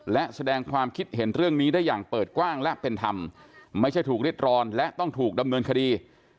และแสดงความคิดเห็นเรื่องนี้ได้อย่างเปิดกว้างและเป็นธรรมไม่ใช่ถูกริดร้อนและต้องถูกดำเนินคดี